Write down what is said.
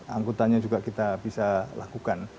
angkutannya juga kita bisa lakukan